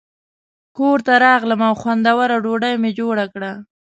کور ته راغلم او خوندوره ډوډۍ مې جوړه کړه.